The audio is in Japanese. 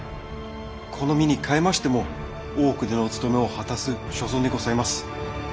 この身にかえましても大奥でのお務めを果たす所存にございます！